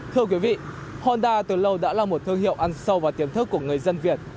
thưa quý vị honda từ lâu đã là một thương hiệu ăn sâu và tiềm thức của người dân việt